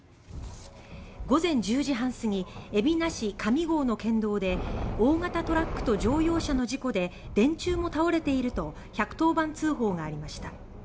午前１０時半過ぎ海老名市上郷の県道で「大型トラックと乗用車の事故で電柱も倒れている」と１１０番通報がありました。